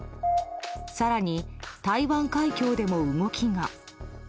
更に、台湾海峡でも動きが。